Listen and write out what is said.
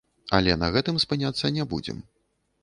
Але на гэтым спыняцца не будзем.